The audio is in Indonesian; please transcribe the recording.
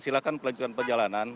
silakan melanjutkan perjalanan